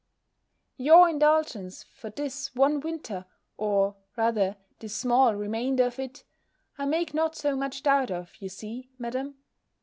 Your indulgence for this one winter, or, rather this small remainder of it, I make not so much doubt of, you see, Madam.